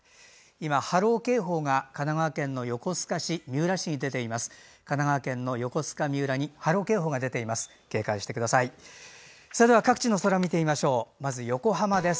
今、波浪警報が神奈川県の横須賀市、三浦市に出ています。